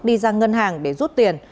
đi ra ngân hàng để rút tiền